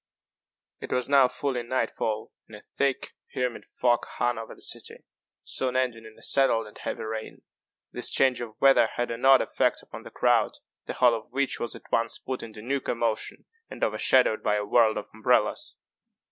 It was now fully night fall, and a thick humid fog hung over the city, soon ending in a settled and heavy rain. This change of weather had an odd effect upon the crowd, the whole of which was at once put into new commotion, and overshadowed by a world of umbrellas.